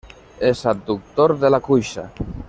És adductor de la cuixa.